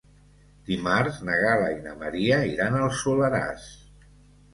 Dimarts na Gal·la i na Maria iran al Soleràs.